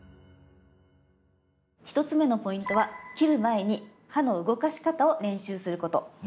１つ目のポイントは切る前に刃の動かし方を練習すること。